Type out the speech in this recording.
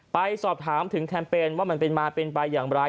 ไปสอบถามถึงแคมเปญว่ามันเป็นมาเป็นไปอย่างไร